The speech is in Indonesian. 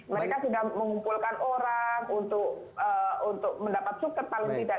mereka sudah mengumpulkan orang untuk mendapat suket paling tidak